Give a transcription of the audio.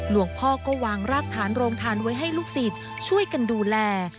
หลวงพ่อก็วางรากฐานโรงทานไว้ให้ลูกศิษย์ช่วยกันดูแล